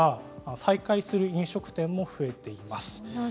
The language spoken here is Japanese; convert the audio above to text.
再開する飲食店も増えています。